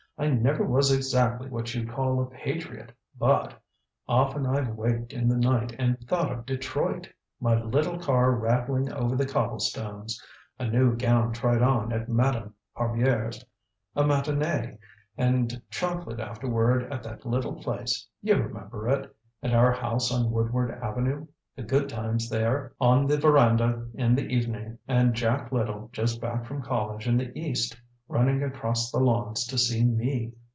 I never was exactly what you'd call a patriot, but often I've waked in the night and thought of Detroit. My little car rattling over the cobblestones a new gown tried on at Madame Harbier's a matinée and chocolate afterward at that little place you remember it. And our house on Woodward Avenue the good times there. On the veranda in the evening, and Jack Little just back from college in the east running across the lawns to see me